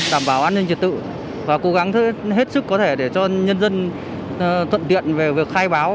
đảm bảo an ninh trật tự và cố gắng hết sức có thể để cho nhân dân thuận tiện về việc khai báo